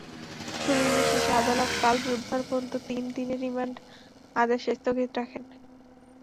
শুনানি শেষে আদালত কাল বুধবার পর্যন্ত তিন দিনের রিমান্ড আদেশ স্থগিত রাখেন।